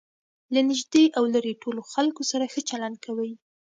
له نژدې او ليري ټولو خلکو سره ښه چلند کوئ!